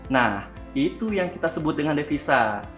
nah itu yang kita sebut dengan devisa